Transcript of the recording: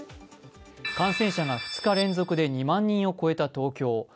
感染者が２日連続で２万人を超えた東京。